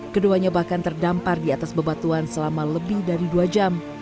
keduanya bahkan terdampar di atas bebatuan selama lebih dari dua jam